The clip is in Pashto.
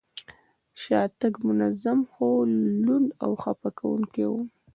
شاتګ منظم، خو لوند او خپه کوونکی و.